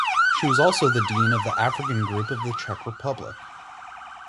She was also the Dean of the African Group of the Czech Republic.